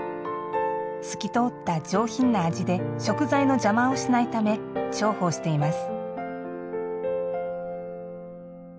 透き通った上品な味で食材の邪魔をしないため重宝しています。